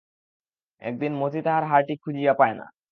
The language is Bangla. একদিন মতি তাহার হারটি খুঁজিয়া পায় না।